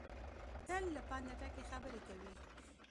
تل له پنده ډکې خبرې کوي.